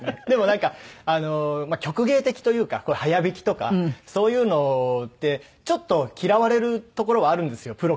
でもなんか曲芸的というか速弾きとかそういうのってちょっと嫌われるところはあるんですよ